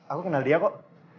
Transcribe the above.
aku kenal dia kok